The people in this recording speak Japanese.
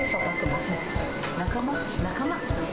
仲間、仲間。